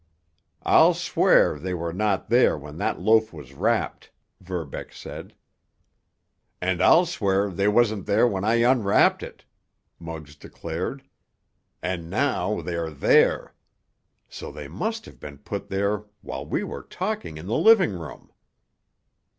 "I'll swear they were not there when that loaf was wrapped," Verbeck said. "And I'll swear they wasn't there when I unwrapped it," Muggs declared. "And now they are there! So they must have been put there while we were talking in the living room!"